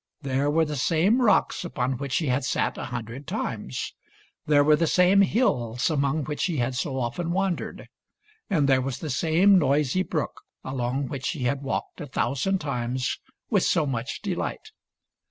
There were the same rocks upon which he had sat a hundred times; there were the same hills among PETER KLAUS THE GOATHERD 23.I which he had so often wandered ; and there was the same noisy brook along which he had walked a thousand times with so much delight.